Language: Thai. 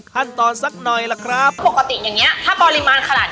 ขั้นตอนสักหน่อยล่ะครับปกติอย่างเงี้ถ้าปริมาณขนาดนี้